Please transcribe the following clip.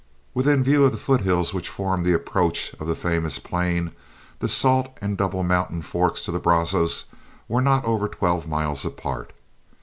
Within view of the foothills which form the approach of the famous plain, the Salt and Double Mountain forks of the Brazos are not over twelve miles apart.